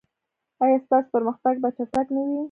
ایا ستاسو پرمختګ به چټک نه وي؟